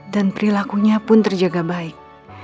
dan perilakunya pun terjaga baik